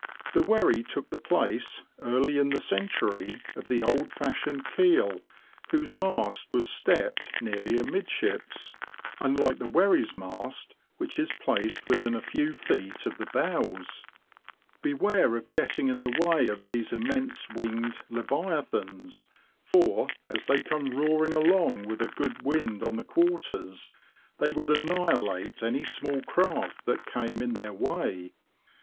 The wherry took the place, early in the century, of the old fashioned " keel," whose mast was stepped nearly amidships, unlike the PREPARATIONS FOR THE TRIP. 13 wherry's mast, which is placed within a few feet of the bows. Beware of getting in the way of these immense winged leviathans, for, as they come roar ing along with a good wind on the quarters, they would annihilate any small craft that came in their way.